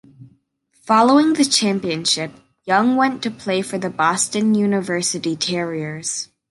Following the championship Young went to play for the Boston University Terriers.